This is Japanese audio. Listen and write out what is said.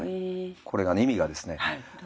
これが意味がですね